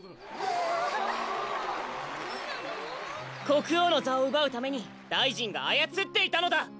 こくおうのざをうばうために大臣があやつっていたのだ！